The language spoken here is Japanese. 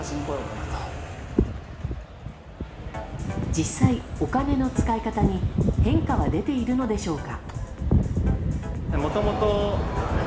実際、お金の使い方に変化は出ているのでしょうか。